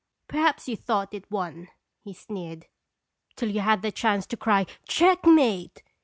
" Perhaps you thought it one," he sneered, "till you had the chance to cry checkmate.